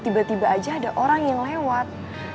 tiba tiba aja ada orang yang lewat